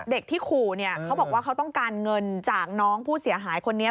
เด็กที่ขู่เนี่ยเขาบอกว่าเขาต้องการเงินจากน้องผู้เสียหายคนนี้